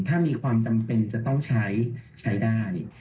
ถ้ามีความจำเป็นจะต้องใช้ใช้ได้